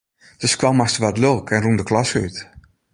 De skoalmaster waard lilk en rûn de klasse út.